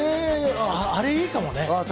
あれいいかもね。